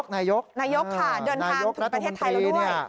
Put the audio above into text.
นายกค่ะเดินทางทุกประเทศไทยเราด้วย